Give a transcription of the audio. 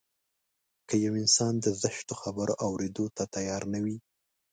که يو انسان د زشتو خبرو اورېدو ته تيار نه وي.